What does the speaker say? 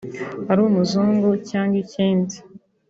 ari umuzungu cyangwa ikindi